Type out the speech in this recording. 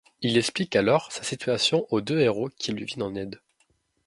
Il explique alors sa situation aux deux héros, qui lui viennent en aide.